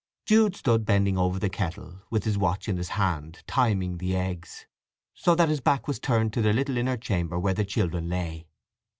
Jude stood bending over the kettle, with his watch in his hand, timing the eggs, so that his back was turned to the little inner chamber where the children lay.